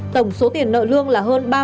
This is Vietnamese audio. tổng số tiền nợ lương là hơn ba bốn